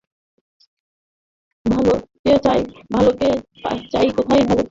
ভালোকে চায়, ভালোকে চায়কোথায় ভালো, কার কাছেদিনের শেষে কাজের মাঝেফুলের সুবাস যার কাছে।